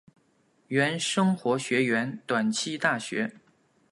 原生活学园短期大学。